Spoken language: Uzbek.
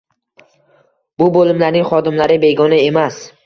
Bu bo‘limlarning xodimlari begona emas.